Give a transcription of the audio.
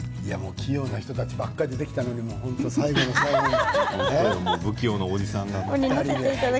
器用な人たちばかり出てきたのに最後の最後に。